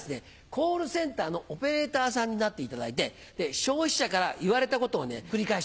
コールセンターのオペレーターさんになっていただいて消費者から言われたことを繰り返してください。